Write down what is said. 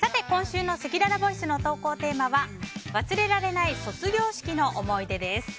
今週のせきららボイスの投稿テーマは忘れられない卒業式の思い出です。